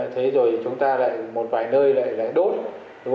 thế rồi chúng ta lại một vài nơi lại là đốt